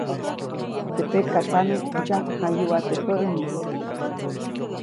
Teʼ pekatsame ndsyamjayuʼa teʼ päʼnis.